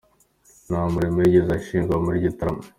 Nta mulimo yigeze ashingwa muri Gitarama.